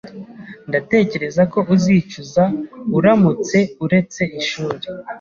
Ndatekereza ko uzicuza uramutse uretse ishuri.